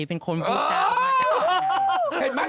เป็นคุณพูดศาล